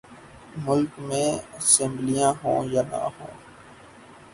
ملک میں اسمبلیاں ہوں یا نہ ہوں۔